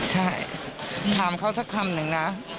ใช่ถามเขาสักคำหนึ่งนะ